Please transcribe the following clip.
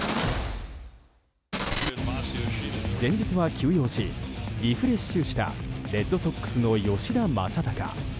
前日は休養しリフレッシュしたレッドソックスの吉田正尚。